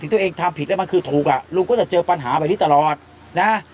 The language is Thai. ตัวเองทำผิดแล้วมันคือถูกอ่ะลุงก็จะเจอปัญหาแบบนี้ตลอดนะ